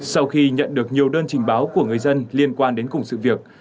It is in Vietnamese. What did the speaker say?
sau khi nhận được nhiều đơn trình báo của người dân liên quan đến cùng sự việc